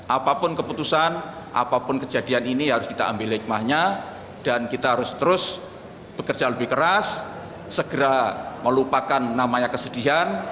apapun keputusan apapun kejadian ini harus kita ambil hikmahnya dan kita harus terus bekerja lebih keras segera melupakan namanya kesedihan